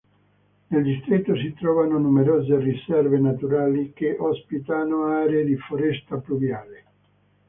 Nel distretto si trovano numerose riserve naturali che ospitano aree di foresta pluviale.